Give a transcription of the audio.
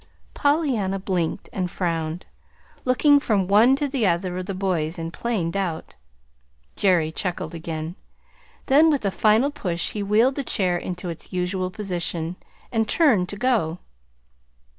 Pollyanna blinked and frowned, looking from one to the other of the boys in plain doubt. Jerry chuckled again. Then, with a final push he wheeled the chair into its usual position, and turned to go.